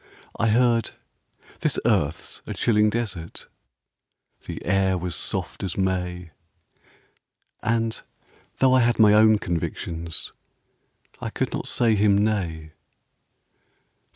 I heard, " This earth 's a chilling desert" — (The air was soft as May) ; And though I had my own convictions, I could not say him nay.